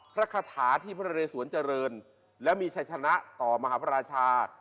คาถาที่พระเรสวนเจริญและมีชัยชนะต่อมหาพระราชา